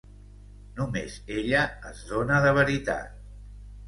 Només ella es dóna de veritat.